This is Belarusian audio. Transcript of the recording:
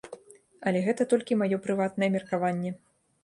Але гэта толькі маё прыватнае меркаванне.